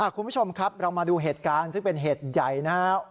คุณผู้ชมครับเรามาดูเหตุการณ์ซึ่งเป็นเหตุใหญ่นะครับ